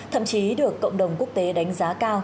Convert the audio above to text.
trong những lúc này các cộng đồng quốc tế đánh giá cao